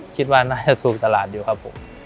คิดว่าน่าจะถูกตลาดอยู่ครับผม